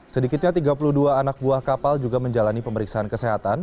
sedikitnya tiga puluh dua anak buah kapal juga menjalani pemeriksaan kesehatan